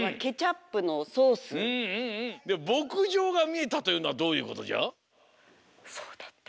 ぼくじょうがみえたというのはどういうことじゃ？